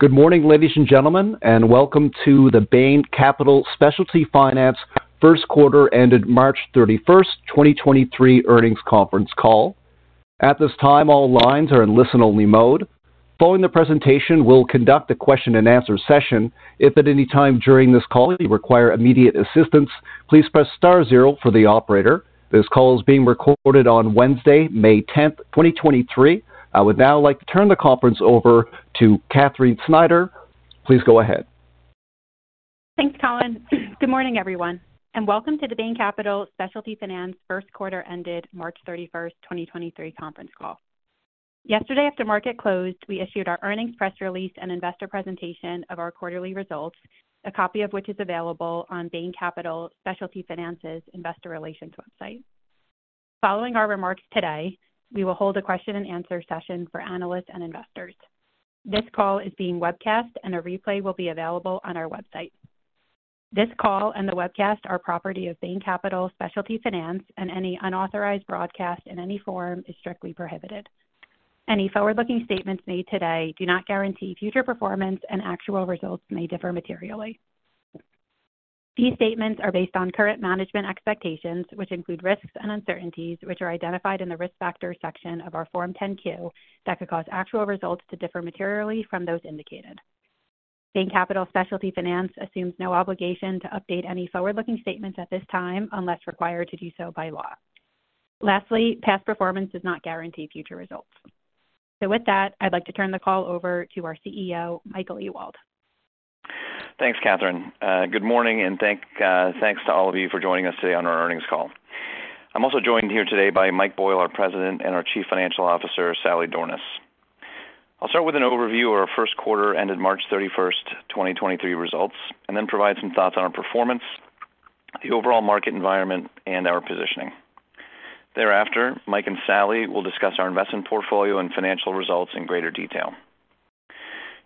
Good morning, ladies and gentlemen, and welcome to the Bain Capital Specialty Finance first quarter ended March 31st, 2023 earnings conference call. At this time, all lines are in listen-only mode. Following the presentation, we'll conduct a question-and-answer session. If at any time during this call you require immediate assistance, please press star zero for the operator. This call is being recorded on Wednesday, May 10th, 2023. I would now like to turn the conference over to Katherine Schneider. Please go ahead. Thanks, Colin. Good morning, everyone, welcome to the Bain Capital Specialty Finance first quarter ended March 31, 2023 conference call. Yesterday, after market closed, we issued our earnings press release and investor presentation of our quarterly results, a copy of which is available on Bain Capital Specialty Finance's investor relations website. Following our remarks today, we will hold a question-and-answer session for analysts and investors. This call is being webcast, a replay will be available on our website. This call and the webcast are property of Bain Capital Specialty Finance, any unauthorized broadcast in any form is strictly prohibited. Any forward-looking statements made today do not guarantee future performance, actual results may differ materially. These statements are based on current management expectations, which include risks and uncertainties, which are identified in the Risk Factors section of our Form 10-Q that could cause actual results to differ materially from those indicated. Bain Capital Specialty Finance assumes no obligation to update any forward-looking statements at this time unless required to do so by law. Lastly, past performance does not guarantee future results. With that, I'd like to turn the call over to our CEO, Michael Ewald. Thanks, Katherine. good morning, and thanks to all of you for joining us today on our earnings call. I'm also joined here today by Mike Boyle, our President, and our Chief Financial Officer, Sally Dornaus. I'll start with an overview of our first quarter ended March 31, 2023 results, and then provide some thoughts on our performance, the overall market environment, and our positioning. Thereafter, Mike and Sally will discuss our investment portfolio and financial results in greater detail.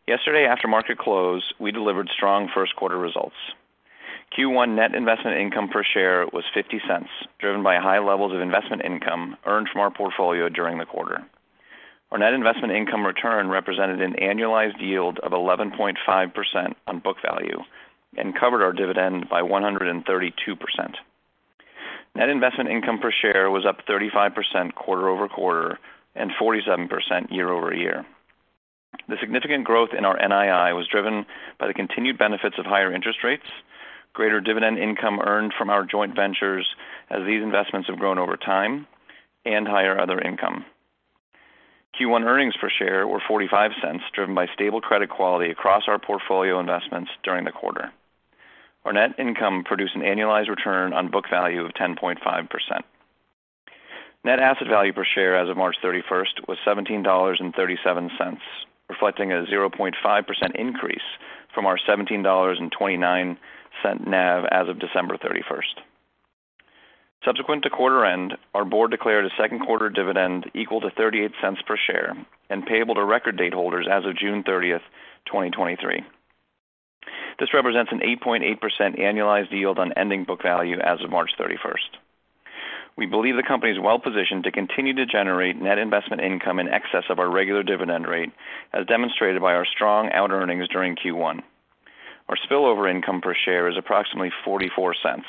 Yesterday, after market close, we delivered strong first quarter results. Q1 net investment income per share was $0.50, driven by high levels of investment income earned from our portfolio during the quarter. Our net investment income return represented an annualized yield of 11.5% on book value and covered our dividend by 132%. Net investment income per share was up 35% quarter-over-quarter and 47% year-over-year. The significant growth in our NII was driven by the continued benefits of higher interest rates, greater dividend income earned from our joint ventures as these investments have grown over time, and higher other income. Q1 earnings per share were $0.45, driven by stable credit quality across our portfolio investments during the quarter. Our net income produced an annualized return on book value of 10.5%. Net asset value per share as of March 31st was $17.37, reflecting a 0.5% increase from our $17.29 NAV as of December 31st. Subsequent to quarter end, our board declared a second quarter dividend equal to $0.38 per share and payable to record date holders as of June 30th, 2023. This represents an 8.8% annualized yield on ending book value as of March 31st. We believe the company is well positioned to continue to generate net investment income in excess of our regular dividend rate, as demonstrated by our strong outearnings during Q1. Our spillover income per share is approximately $0.44,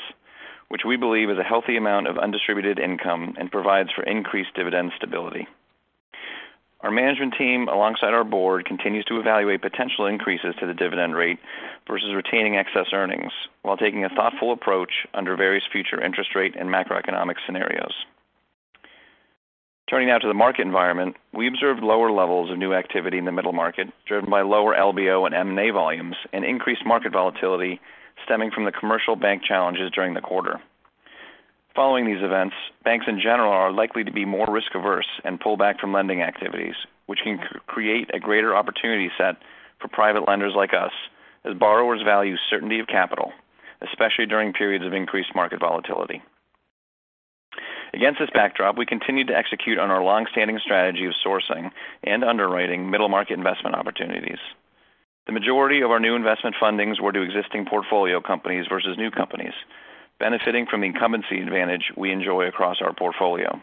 which we believe is a healthy amount of undistributed income and provides for increased dividend stability. Our management team, alongside our board, continues to evaluate potential increases to the dividend rate versus retaining excess earnings while taking a thoughtful approach under various future interest rate and macroeconomic scenarios. Turning now to the market environment. We observed lower levels of new activity in the middle market, driven by lower LBO and M&A volumes and increased market volatility stemming from the commercial bank challenges during the quarter. Following these events, banks in general are likely to be more risk-averse and pull back from lending activities, which can create a greater opportunity set for private lenders like us as borrowers value certainty of capital, especially during periods of increased market volatility. Against this backdrop, we continued to execute on our long-standing strategy of sourcing and underwriting middle market investment opportunities. The majority of our new investment fundings were to existing portfolio companies versus new companies, benefiting from the incumbency advantage we enjoy across our portfolio.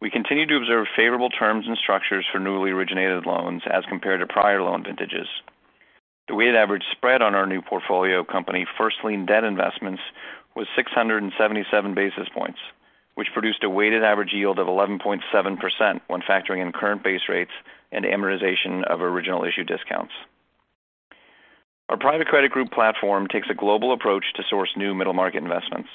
We continue to observe favorable terms and structures for newly originated loans as compared to prior loan vintages. The weighted average spread on our new portfolio company first lien debt investments was 677 basis points, which produced a weighted average yield of 11.7% when factoring in current base rates and amortization of original issue discounts. Our private credit group platform takes a global approach to source new middle market investments.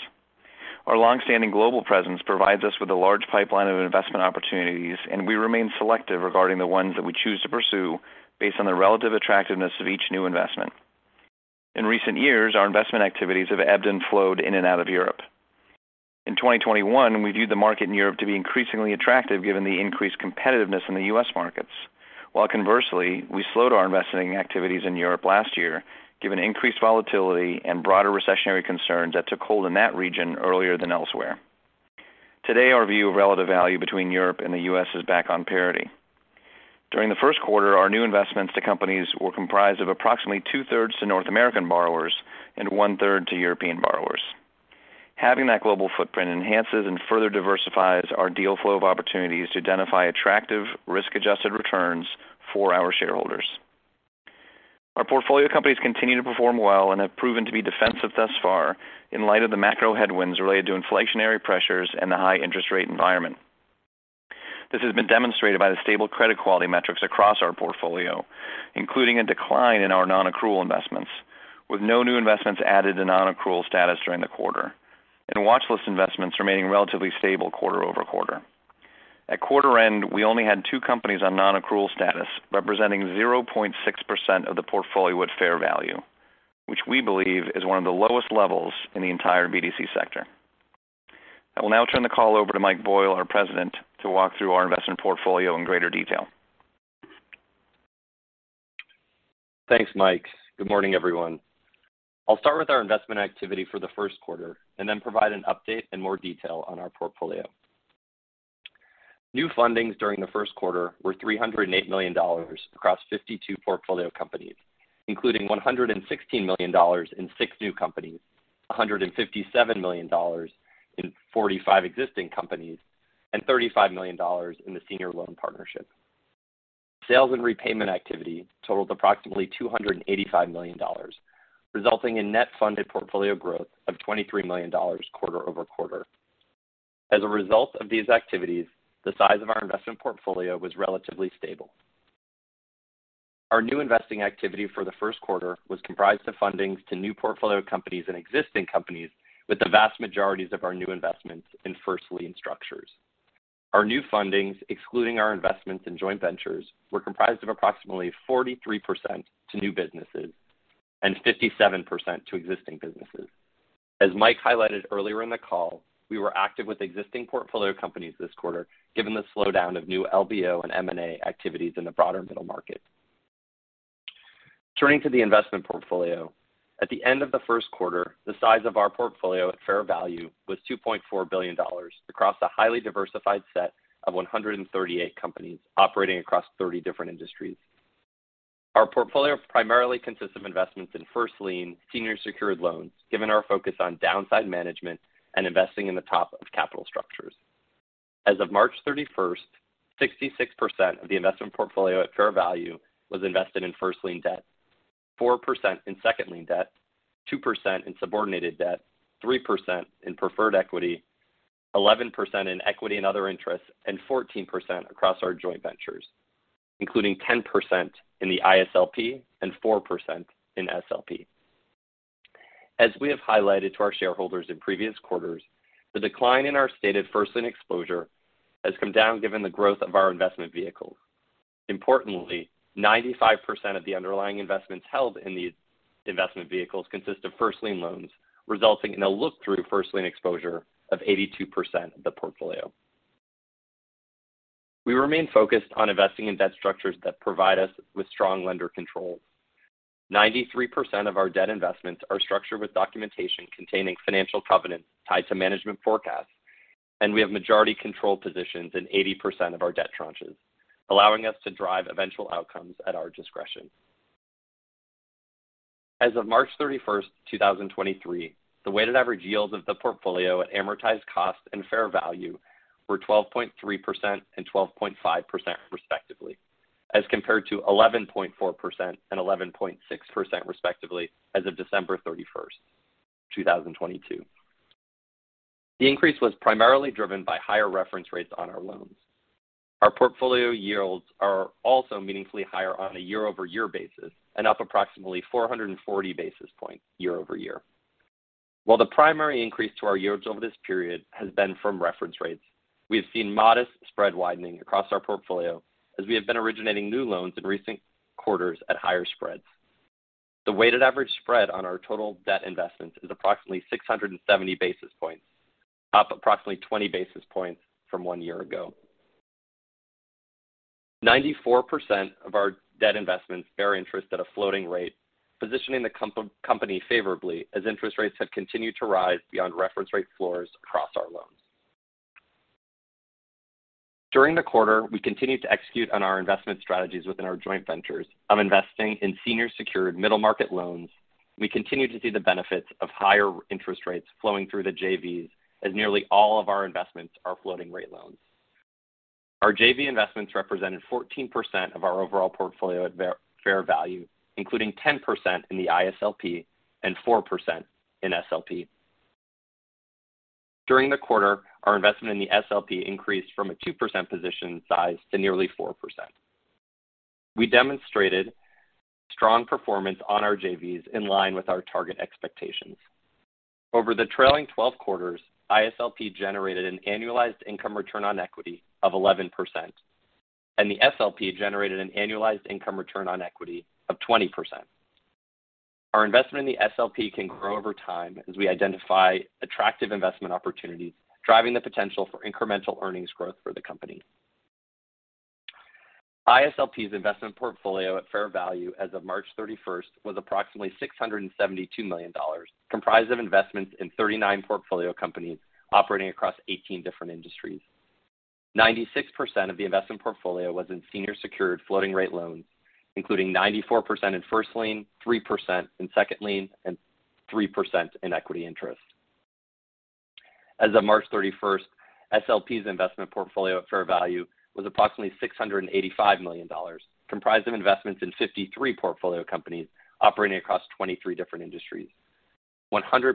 Our long-standing global presence provides us with a large pipeline of investment opportunities, and we remain selective regarding the ones that we choose to pursue based on the relative attractiveness of each new investment. In recent years, our investment activities have ebbed and flowed in and out of Europe. In 2021, we viewed the market in Europe to be increasingly attractive given the increased competitiveness in the U.S. markets, while conversely, we slowed our investing activities in Europe last year given increased volatility and broader recessionary concerns that took hold in that region earlier than elsewhere. Today, our view of relative value between Europe and the U.S. is back on parity. During the first quarter, our new investments to companies were comprised of approximately 2/3 to North American borrowers and 1/3 to European borrowers. Having that global footprint enhances and further diversifies our deal flow of opportunities to identify attractive risk-adjusted returns for our shareholders. Our portfolio companies continue to perform well and have proven to be defensive thus far in light of the macro headwinds related to inflationary pressures and the high interest rate environment. This has been demonstrated by the stable credit quality metrics across our portfolio, including a decline in our non-accrual investments, with no new investments added to non-accrual status during the quarter, and watchlist investments remaining relatively stable quarter-over-quarter. At quarter end, we only had two companies on non-accrual status, representing 0.6% of the portfolio at fair value, which we believe is one of the lowest levels in the entire BDC sector. I will now turn the call over to Mike Boyle, our President, to walk through our investment portfolio in greater detail. Thanks, Mike. Good morning, everyone. I'll start with our investment activity for the first quarter, and then provide an update and more detail on our portfolio. New fundings during the first quarter were $308 million across 52 portfolio companies, including $116 million in six new companies, $157 million in 45 existing companies, and $35 million in the Senior Loan Partnership. Sales and repayment activity totaled approximately $285 million, resulting in net funded portfolio growth of $23 million quarter-over-quarter. As a result of these activities, the size of our investment portfolio was relatively stable. Our new investing activity for the first quarter was comprised of fundings to new portfolio companies and existing companies with the vast majorities of our new investments in first lien structures. Our new fundings, excluding our investments in joint ventures, were comprised of approximately 43% to new businesses and 57% to existing businesses. As Mike highlighted earlier in the call, we were active with existing portfolio companies this quarter, given the slowdown of new LBO and M&A activities in the broader middle market. Turning to the investment portfolio. At the end of the first quarter, the size of our portfolio at fair value was $2.4 billion across a highly diversified set of 138 companies operating across 30 different industries. Our portfolio primarily consists of investments in first lien senior secured loans, given our focus on downside management and investing in the top of capital structures. As of March 31st, 66% of the investment portfolio at fair value was invested in first lien debt, 4% in second lien debt, 2% in subordinated debt, 3% in preferred equity, 11% in equity and other interests, and 14% across our joint ventures, including 10% in the ISLP and 4% in SLP. We have highlighted to our shareholders in previous quarters, the decline in our stated first lien exposure has come down given the growth of our investment vehicles. Importantly, 95% of the underlying investments held in these investment vehicles consist of first lien loans, resulting in a look-through first lien exposure of 82% of the portfolio. We remain focused on investing in debt structures that provide us with strong lender controls. 93% of our debt investments are structured with documentation containing financial covenants tied to management forecasts, and we have majority control positions in 80% of our debt tranches, allowing us to drive eventual outcomes at our discretion. As of March 31, 2023, the weighted average yields of the portfolio at amortized cost and fair value were 12.3% and 12.5%, respectively, as compared to 11.4% and 11.6%, respectively, as of December 31st, 2022. The increase was primarily driven by higher reference rates on our loans. Our portfolio yields are also meaningfully higher on a year-over-year basis and up approximately 440 basis points year-over-year. While the primary increase to our yields over this period has been from reference rates, we have seen modest spread widening across our portfolio as we have been originating new loans in recent quarters at higher spreads. The weighted average spread on our total debt investments is approximately 670 basis points, up approximately 20 basis points from one year ago. 94% of our debt investments bear interest at a floating rate, positioning the comp-company favorably as interest rates have continued to rise beyond reference rate floors across our loans. During the quarter, we continued to execute on our investment strategies within our joint ventures of investing in senior secured middle market loans. We continue to see the benefits of higher interest rates flowing through the JVs as nearly all of our investments are floating rate loans. Our JV investments represented 14% of our overall portfolio at fair value, including 10% in the ISLP and 4% in SLP. During the quarter, our investment in the SLP increased from a 2% position size to nearly 4%. We demonstrated strong performance on our JVs in line with our target expectations. Over the trailing 12 quarters, ISLP generated an annualized income return on equity of 11%, and the SLP generated an annualized income return on equity of 20%. Our investment in the SLP can grow over time as we identify attractive investment opportunities, driving the potential for incremental earnings growth for the company. ISLP's investment portfolio at fair value as of March 31st was approximately $672 million, comprised of investments in 39 portfolio companies operating across 18 different industries. 96% of the investment portfolio was in senior secured floating rate loans, including 94% in first lien, 3% in second lien, and 3% in equity interest. As of March 31st, SLP's investment portfolio at fair value was approximately $685 million, comprised of investments in 53 portfolio companies operating across 23 different industries. 100%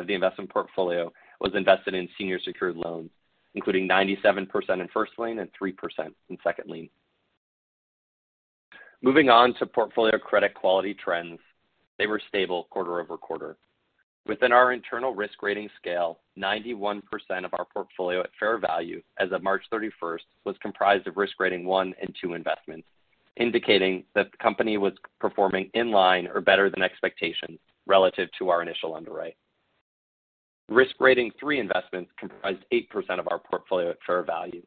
of the investment portfolio was invested in senior secured loans, including 97% in first lien and 3% in second lien. Moving on to portfolio credit quality trends. They were stable quarter-over-quarter. Within our internal risk rating scale, 91% of our portfolio at fair value as of March 31st was comprised of risk rating 1 and 2 investments, indicating that the company was performing in line or better than expectations relative to our initial underwrite. Risk rating 3 investments comprised 8% of our portfolio at fair value.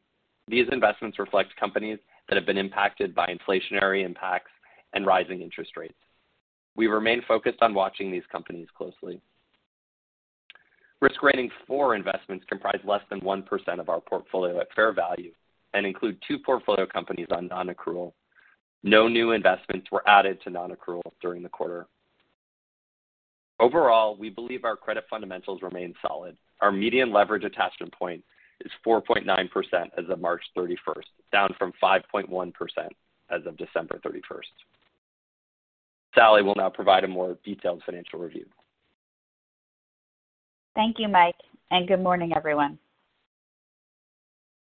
These investments reflect companies that have been impacted by inflationary impacts and rising interest rates. We remain focused on watching these companies closely. Risk rating 4 investments comprise less than 1% of our portfolio at fair value and include two portfolio companies on non-accrual. No new investments were added to non-accrual during the quarter. Overall, we believe our credit fundamentals remain solid. Our median leverage attachment point is 4.9% as of March 31st, down from 5.1% as of December 31st. Sally will now provide a more detailed financial review. Thank you, Mike, and good morning, everyone.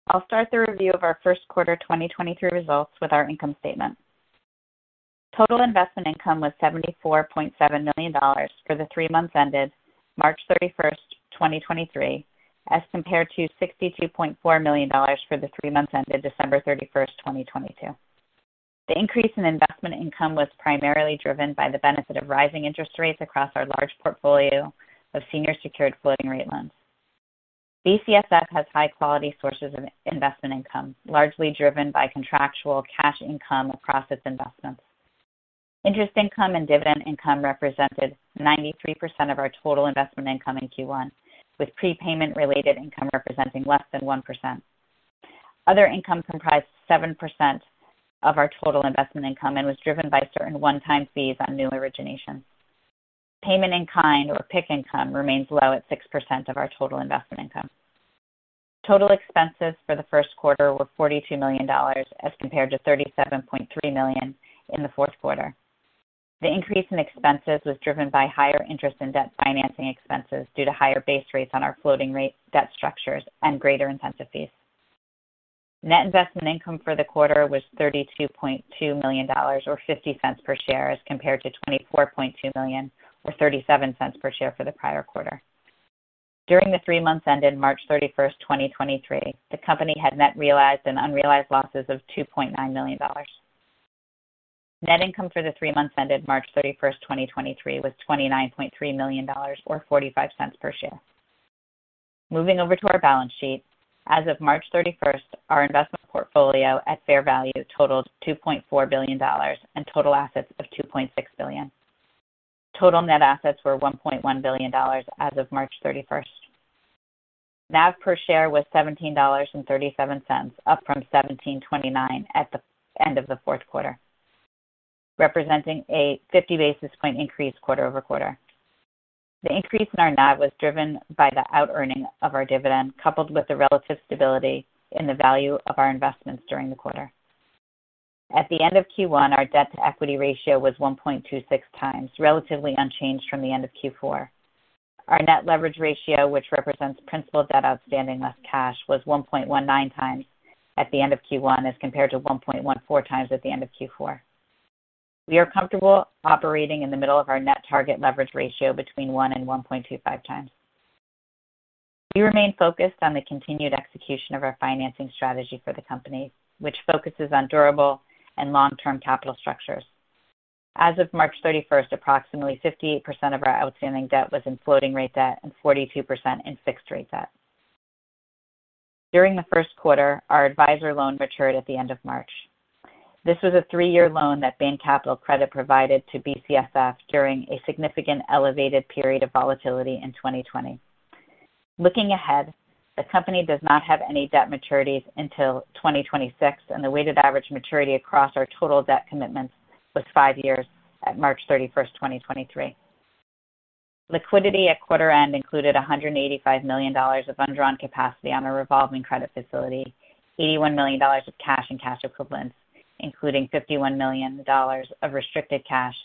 I'll start the review of our first quarter 2023 results with our income statement. Total investment income was $74.7 million for the three months ended March 31st, 2023, as compared to $62.4 million for the three months ended December 31st, 2022. The increase in investment income was primarily driven by the benefit of rising interest rates across our large portfolio of senior secured floating rate loans. BCSF has high quality sources of investment income, largely driven by contractual cash income across its investments. Interest income and dividend income represented 93% of our total investment income in Q1, with prepayment-related income representing less than 1%. Other income comprised 7% of our total investment income and was driven by certain one-time fees on new originations. Payment in kind or PIC income remains low at 6% of our total investment income. Total expenses for the first quarter were $42 million as compared to $37.3 million in the fourth quarter. The increase in expenses was driven by higher interest in debt financing expenses due to higher base rates on our floating rate debt structures and greater incentive fees. Net investment income for the quarter was $32.2 million or $0.50 per share as compared to $24.2 million or $0.37 per share for the prior quarter. During the three months ended March 31st, 2023, the company had net realized and unrealized losses of $2.9 million. Net income for the three months ended March 31st, 2023 was $29.3 million or $0.45 per share. Moving over to our balance sheet. As of March 31st, our investment portfolio at fair value totaled $2.4 billion and total assets of $2.6 billion. Total net assets were $1.1 billion as of March 31st. NAV per share was $17.37, up from $17.29 at the end of the fourth quarter, representing a 50 basis point increase quarter-over-quarter. The increase in our NAV was driven by the outearning of our dividend, coupled with the relative stability in the value of our investments during the quarter. At the end of Q1, our debt-to-equity ratio was 1.26 times, relatively unchanged from the end of Q4. Our net leverage ratio, which represents principal debt outstanding less cash, was 1.19 times at the end of Q1 as compared to 1.14 times at the end of Q4. We are comfortable operating in the middle of our net target leverage ratio between 1 and 1.25 times. We remain focused on the continued execution of our financing strategy for the company, which focuses on durable and long-term capital structures. As of March 31st, approximately 58% of our outstanding debt was in floating rate debt and 42% in fixed rate debt. During the first quarter, our adviser loan matured at the end of March. This was a three-year loan that Bain Capital Credit provided to BCSF during a significant elevated period of volatility in 2020. Looking ahead, the company does not have any debt maturities until 2026, and the weighted average maturity across our total debt commitments was 5 years at March 31st, 2023. Liquidity at quarter end included $185 million of undrawn capacity on a revolving credit facility, $81 million of cash and cash equivalents, including $51 million of restricted cash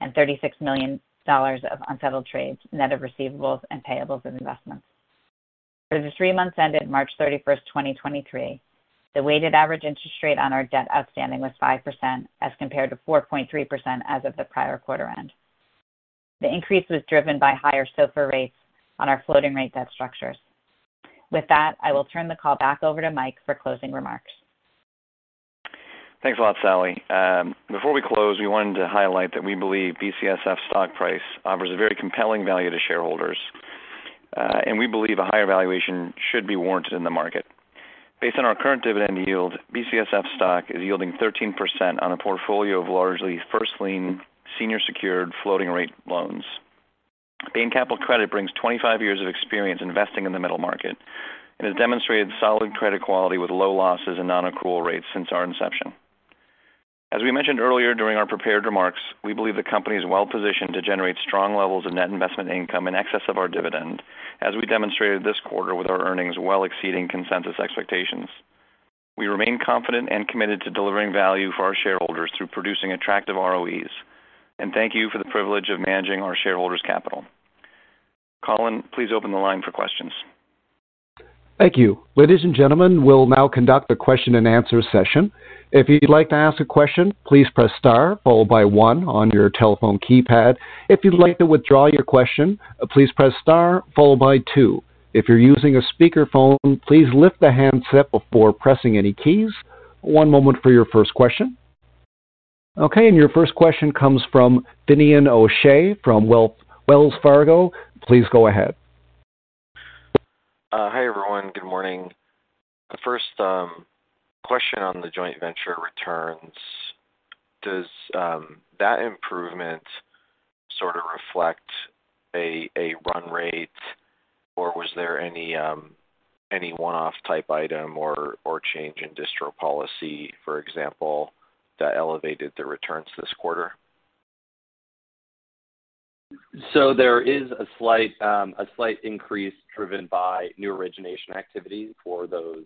and $36 million of unsettled trades, net of receivables and payables and investments. For the three months ended March 31, 2023, the weighted average interest rate on our debt outstanding was 5% as compared to 4.3% as of the prior quarter end. The increase was driven by higher SOFR rates on our floating rate debt structures. With that, I will turn the call back over to Mike for closing remarks. Thanks a lot, Sally. Before we close, we wanted to highlight that we believe BCSF stock price offers a very compelling value to shareholders, and we believe a higher valuation should be warranted in the market. Based on our current dividend yield, BCSF stock is yielding 13% on a portfolio of largely first lien, senior secured floating rate loans. Bain Capital Credit brings 25 years of experience investing in the middle market and has demonstrated solid credit quality with low losses and non-accrual rates since our inception. As we mentioned earlier during our prepared remarks, we believe the company is well-positioned to generate strong levels of net investment income in excess of our dividend, as we demonstrated this quarter with our earnings well exceeding consensus expectations. We remain confident and committed to delivering value for our shareholders through producing attractive ROEs. Thank you for the privilege of managing our shareholders' capital. Colin, please open the line for questions. Thank you. Ladies and gentlemen, we'll now conduct a question and answer session. If you'd like to ask a question, please press star followed by one on your telephone keypad. If you'd like to withdraw your question, please press star followed by two. If you're using a speakerphone, please lift the handset before pressing any keys. One moment for your first question. Okay, your first question comes from Finian O'Shea from Wells Fargo. Please go ahead. Hi, everyone. Good morning. The first question on the joint venture returns, does that improvement sort of reflect a run rate, or was there any one-off type item or change in distro policy, for example, that elevated the returns this quarter? There is a slight, a slight increase driven by new origination activity for those,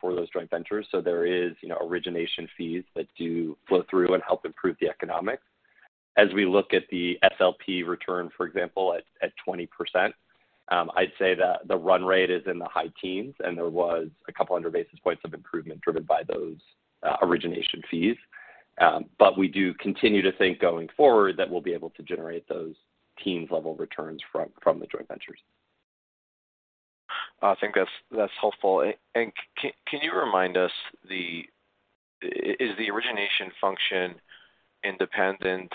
for those joint ventures. There is, you know, origination fees that do flow through and help improve the economics. As we look at the SLP return, for example, at 20%, I'd say that the run rate is in the high teens, and there was a couple hundred basis points of improvement driven by those origination fees. We do continue to think going forward that we'll be able to generate those teens level returns from the joint ventures. I think that's helpful. Can you remind us the... Is the origination function independent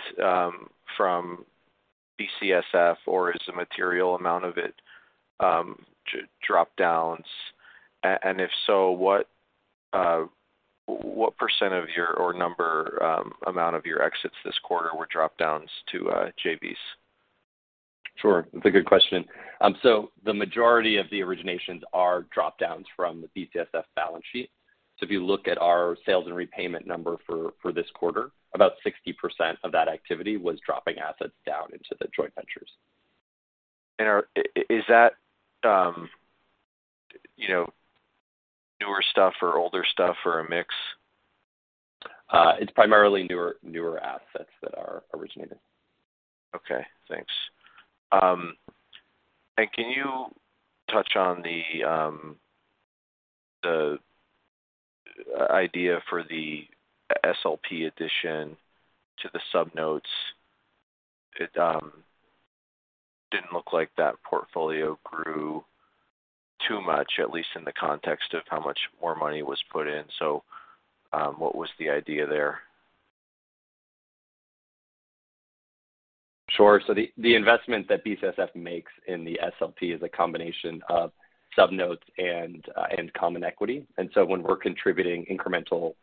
from BCSF or is the material amount of it drop-downs? If so, what % of your or number amount of your exits this quarter were drop downs to JVs? Sure. That's a good question. The majority of the originations are drop downs from the BCSF balance sheet. If you look at our sales and repayment number for this quarter, about 60% of that activity was dropping assets down into the joint ventures. Is that, you know, newer stuff or older stuff or a mix? It's primarily newer assets that are originated. Okay. Thanks. Can you touch on the idea for the SLP addition to the sub-notes? It didn't look like that portfolio grew too much, at least in the context of how much more money was put in. What was the idea there? Sure. The investment that BCSF makes in the SLP is a combination of sub-notes and common equity. When we're contributing incremental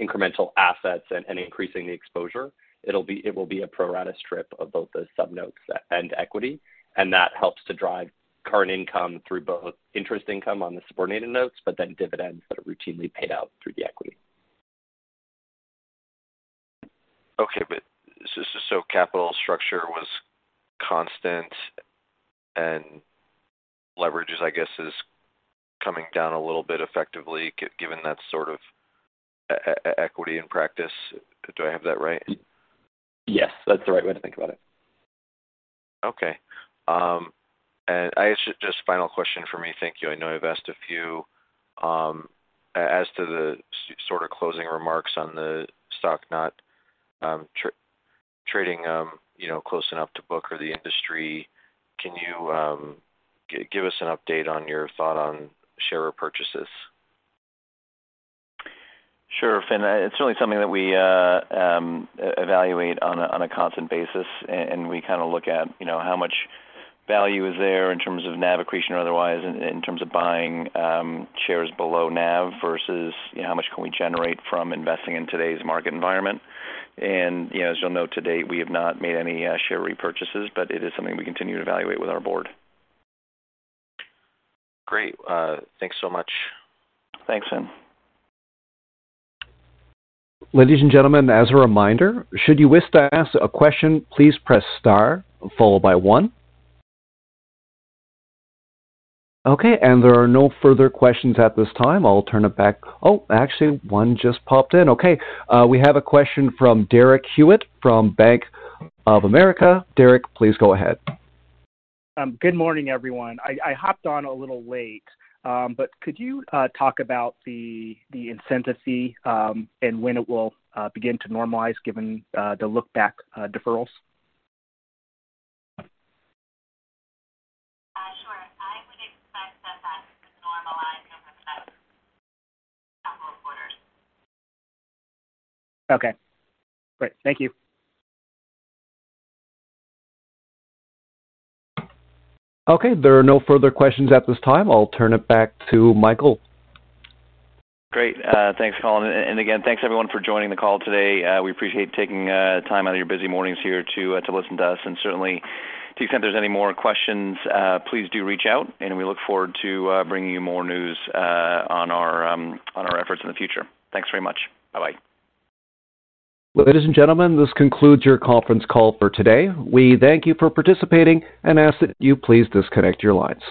incremental assets and increasing the exposure, it will be a pro rata strip of both those sub-notes and equity, and that helps to drive current income through both interest income on the subordinated notes, but then dividends that are routinely paid out through the equity. Okay. Capital structure was constant and leverage is, I guess, is coming down a little bit effectively given that sort of equity in practice. Do I have that right? Yes, that's the right way to think about it. Okay. I guess just final question for me. Thank you. I know I've asked a few. As to the sort of closing remarks on the stock not, trading, you know, close enough to book or the industry, can you, give us an update on your thought on share repurchases? Sure, Finn. It's certainly something that we evaluate on a constant basis. And we kinda look at, you know, how much value is there in terms of NAV accretion or otherwise in terms of buying shares below NAV versus, you know, how much can we generate from investing in today's market environment. You know, as you'll note to date, we have not made any share repurchases, but it is something we continue to evaluate with our Board. Great. Thanks so much. Thanks, Finn. Ladies and gentlemen, as a reminder, should you wish to ask a question, please press star followed by one. Okay, there are no further questions at this time. I'll turn it back... Oh, actually one just popped in. Okay. We have a question from Derek Hewett from Bank of America. Derek, please go ahead. Good morning, everyone. I hopped on a little late. Could you talk about the incentive fee, and when it will begin to normalize given the look back deferrals? Sure. I would expect that that would normalize over the next couple of quarters. Okay, great. Thank you. Okay, there are no further questions at this time. I'll turn it back to Michael. Great. Thanks, Colin. Again, thanks everyone for joining the call today. We appreciate taking time out of your busy mornings here to listen to us. Certainly, to the extent there's any more questions, please do reach out, and we look forward to bringing you more news on our efforts in the future. Thanks very much. Bye-bye. Ladies and gentlemen, this concludes your conference call for today. We thank you for participating and ask that you please disconnect your lines.